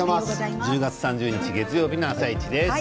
１０月３０日月曜日の「あさイチ」です。